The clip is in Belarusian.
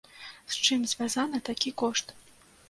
З чым звязаны такі кошт?